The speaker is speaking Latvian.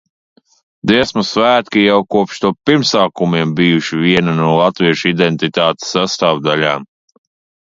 Dziesmu svētki jau kopš to pirmsākumiem bijuši viena no latviešu identitātes sastāvdaļām.